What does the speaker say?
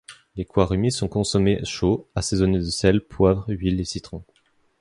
Les quarumi sont consommés chauds, assaisonnés de sel, poivre, huile et citron.